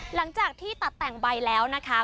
หลังจากที่ตัดแต่งใบแล้วนะคะ